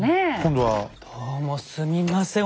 どうもすみません。